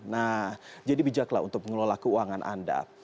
nah jadi bijaklah untuk mengelola keuangan anda